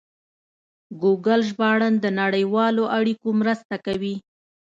ګوګل ژباړن د نړیوالو اړیکو مرسته کوي.